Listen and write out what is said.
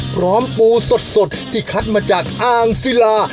พร้อมปูสดที่คัดมาจากอ้างซีลา